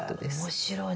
面白い。